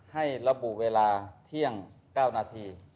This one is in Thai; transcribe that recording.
ให้ระบุเวลาเที่ยง๙นาที